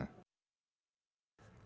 kebijakan reklamasi ini